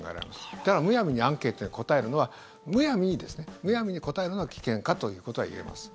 だから、むやみにアンケートに答えるのはむやみですねむやみに答えるのは危険かということは言えます。